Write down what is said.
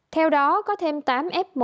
theo đó có thêm tám f một